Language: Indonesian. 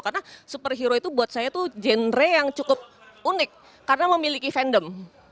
karena superhero itu buat saya itu genre yang cukup unik karena memiliki fandom